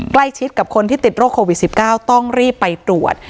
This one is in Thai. ใกล้ชิดกับคนที่ติดโรคโควิด๑๙ต้องรีบไปตรวจ